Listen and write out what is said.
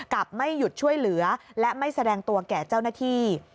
ไม่หยุดช่วยเหลือและไม่แสดงตัวแก่เจ้าหน้าที่